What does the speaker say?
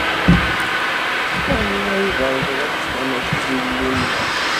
Anwa i d aẓru, ma mačči d Illu-nneɣ?